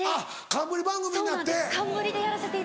あっ冠番組になって。